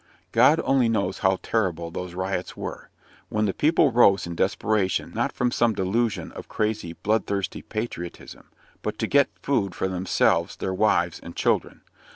God only knows how terrible those "riots" were; when the people rose in desperation, not from some delusion of crazy, blood thirsty "patriotism," but to get food for themselves, their wives, and children.